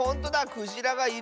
クジラがいる！